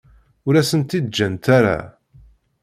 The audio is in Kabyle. Ur asen-t-id-ǧǧant ara.